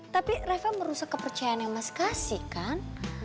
tapi reva merusak kepercayaan yang mas kasih kan